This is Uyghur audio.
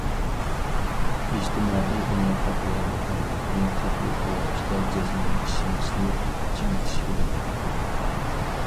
ئىجتىمائىي ئىناقلىق ۋە مۇقىملىقنى قەتئىي قوغداشتا جەزمەن ئىشەنچنى چىڭىتىش كېرەك.